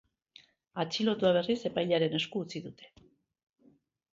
Atxilotua, berriz, epailearen esku utzi dute.